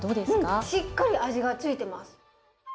うんしっかり味が付いてます。